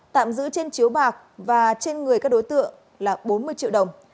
tạm giữ trên chiếu bạc và trên người các đối tượng là bốn mươi triệu đồng